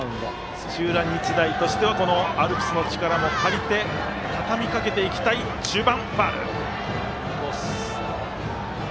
土浦日大としてはアルプスの力も借りてたたみかけていきたい中盤。